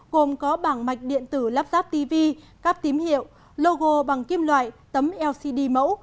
gồm có bảng mạch điện tử lắp ráp tv cáp tím hiệu logo bằng kim loại tấm lcd mẫu